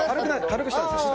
軽くしたんですよ。